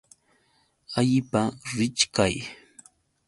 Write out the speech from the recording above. Allipa richkay.